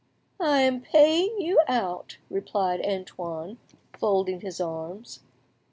"I am paying you out;" replied Antoine, folding his arms.